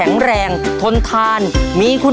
และวันนี้โรงเรียนไทรรัฐวิทยา๖๐จังหวัดพิจิตรครับ